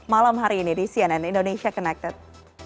malam hari ini di cnn indonesia connected